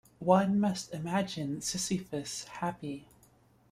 One must imagine Sisyphus happy.